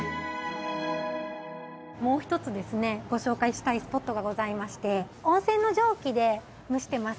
もう一つですねご紹介したいスポットがございまして温泉の蒸気で蒸してます。